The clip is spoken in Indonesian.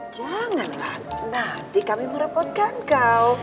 janganlah nanti kami merepotkan kau